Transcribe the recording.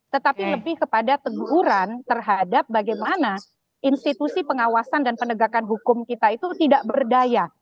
tetapi lebih kepada teguran terhadap bagaimana institusi pengawasan dan penegakan hukum kita itu tidak berdaya